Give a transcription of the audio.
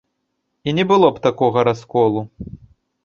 І не было б такога расколу.